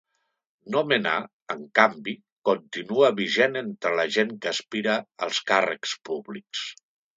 Nomenar, en canvi, continua vigent entre la gent que aspira als càrrecs públics.